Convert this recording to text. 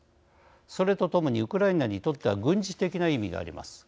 それと共にウクライナにとっては軍事的な意味があります。